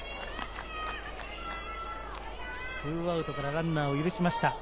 ２アウトからランナーを許しました。